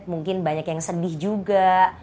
mungkin banyak yang sedih juga